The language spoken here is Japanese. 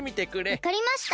わかりました。